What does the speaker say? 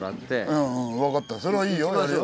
うんうん分かったそれはいいよ。